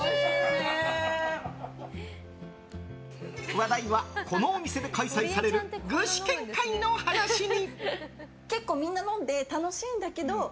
話題は、このお店で開催される具志堅会の話に。